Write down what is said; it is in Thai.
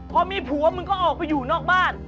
พอมีผัวมึงก็ออกไปอยู่นอกบ้าน